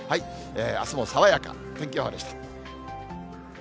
あすも爽やか、天気予報でした。